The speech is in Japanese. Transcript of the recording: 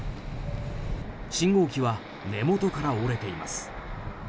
信号機は根元から折れています。